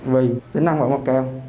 vì tính năng gọi mặt cao